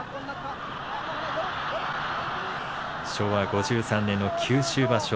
昭和５３年の九州場所